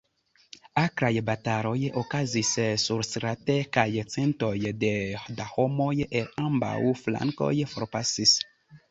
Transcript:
Akraj bataloj okazis surstrate, kaj centoj da homoj el ambaŭ flankoj forpasis.